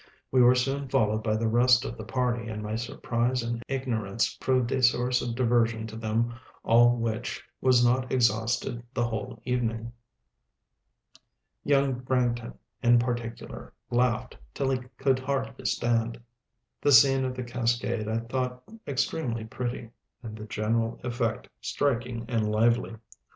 We were soon followed by the rest of the party; and my surprise and ignorance proved a source of diversion to them all which was not exhausted the whole evening. Young Branghton, in particular, laughed till he could hardly stand. The scene of the cascade I thought extremely pretty, and the general effect striking and lively.